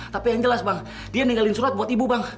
tapi yang jelas bang dia ninggalin surat buat ibu bang